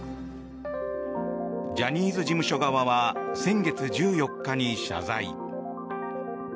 ジャニーズ事務所側は先月１４日に謝罪。